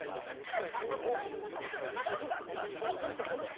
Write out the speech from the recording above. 低く低いとこで。